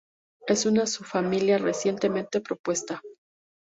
Es una subfamilia recientemente propuesta.